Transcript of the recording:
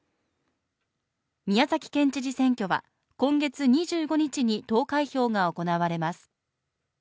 宮崎県知事選挙は今月２５日に投開票が行われます